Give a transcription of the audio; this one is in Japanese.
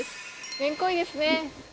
めんこいですね。